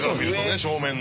正面の。